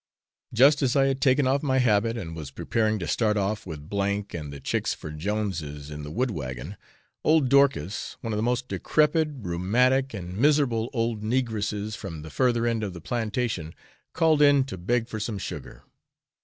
Just as I had taken off my habit and was preparing to start off with M and the chicks for Jones's, in the wood wagon, old Dorcas, one of the most decrepid, rheumatic, and miserable old negresses from the further end of the plantation, called in to beg for some sugar.